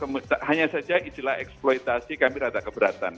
karena kalau hanya saja isilah eksploitasi kami rata keberatan